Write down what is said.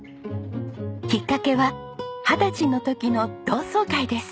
きっかけは二十歳の時の同窓会です。